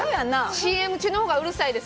ＣＭ中のほうがうるさいです。